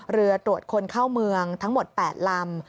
เรือตรวจคนเข้าเมืองทั้งหมด๘ลำ